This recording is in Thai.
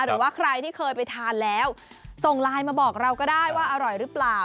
หรือว่าใครที่เคยไปทานแล้วส่งไลน์มาบอกเราก็ได้ว่าอร่อยหรือเปล่า